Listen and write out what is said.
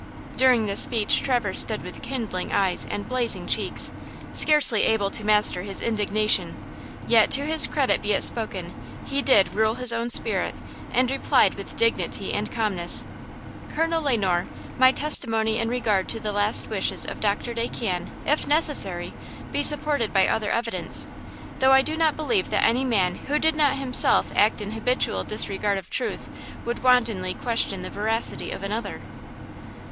During this speech Traverse stood with kindling eyes and blazing cheeks, scarcely able to master his indignation; yet, to his credit be it spoken, he did "rule his own spirit" and replied with dignity and calmness: "Colonel Le Noir, my testimony in regard to the last wishes of Doctor Day can, if necessary, be supported by other evidence–though I do not believe that any man who did not himself act in habitual disregard of truth would wantonly question the veracity of another."